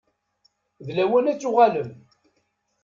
D lawan ad tuɣalem.